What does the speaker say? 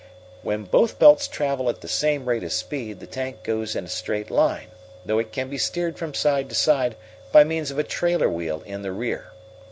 "When both belts travel at the same rate of speed the tank goes in a straight line, though it can be steered from side to side by means of a trailer wheel in the rear.